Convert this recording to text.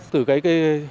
từ ngày hôm nay